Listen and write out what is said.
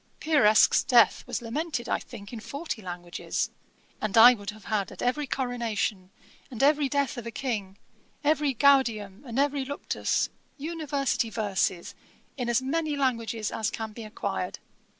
Pieresc's death was lamented, I think, in forty languages. And I would have had at every coronation, and every death of a King, every Gaudium, and every Luctus, University verses, in as many languages as can be acquired.